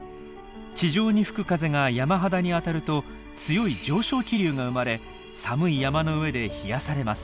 地上に吹く風が山肌に当たると強い上昇気流が生まれ寒い山の上で冷やされます。